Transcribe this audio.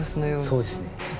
そうですね。